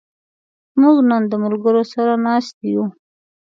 موږ نن د ملګرو سره ناست یو.